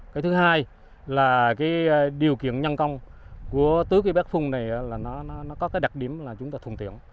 cái thứ hai là cái điều kiện nhân công của tứ cái bét phung này là nó có cái đặc điểm là chúng ta thuần tiện